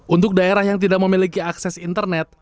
untuk daerah yang tidak memiliki akses internet